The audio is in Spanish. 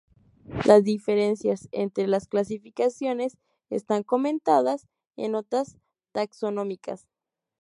Las diferencias entre las clasificaciones están comentadas en Notas taxonómicas.